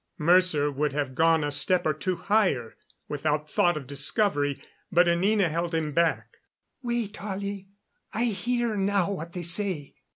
Mercer would have gone a step or two higher, without thought of discovery, but Anina held him back. "Wait, Ollie. I hear now what they say."